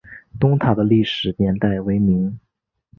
东塔的历史年代为明。